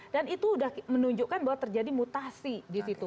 dan itu udah menunjukkan bahwa terjadi mutasi di situ